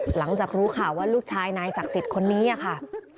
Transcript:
หลังจากรู้ข่าวว่าลูกชายนายศักดิ์สิทธิ์คนนี้ค่ะ